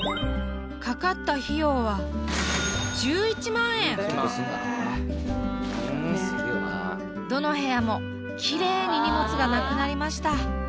かかったどの部屋もきれいに荷物がなくなりました。